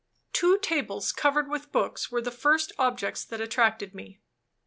Two tables covered with books were the first objects that attracted me.